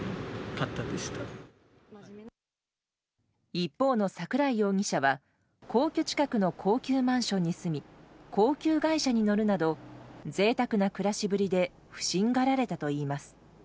一方の桜井容疑者は皇居近くの高級マンションに住み高級外車に乗るなど贅沢な暮らしぶりで不審がられたといいます。